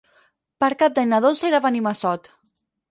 Per Cap d'Any na Dolça irà a Benimassot.